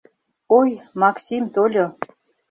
— Ой, Максим тольо.